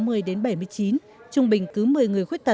trung bình cứ một mươi người khuyết tật có tám người khuyết tật